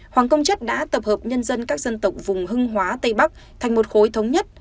hoàng công chất đã tập hợp nhân dân các dân tộc vùng hưng hóa tây bắc thành một khối thống nhất